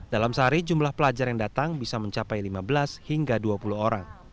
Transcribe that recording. dalam sehari jumlah pelajar yang datang bisa mencapai lima belas hingga dua puluh orang